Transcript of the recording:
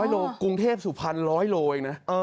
๒๐๐โลกรุงเทพศุภัณฑ์๑๐๐โลเองนะ